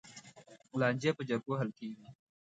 لانجې په جرګو حل کېږي.